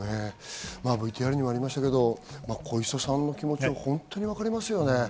ＶＴＲにもありましたけど、小磯さんの気持ち、本当にわかりますね。